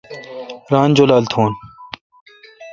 ران جولال تھون۔